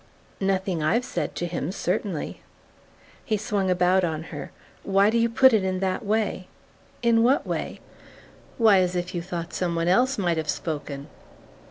"Nothing I've said to him certainly." He swung about on her. "Why do you put it in that way?" "In what way?" "Why as if you thought some one else might have spoken..."